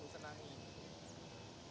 yang ibu senangi